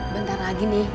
bentar lagi nih